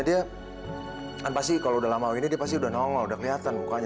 tapi kalau udah lama ini dia pasti udah nongol udah kelihatan mukanya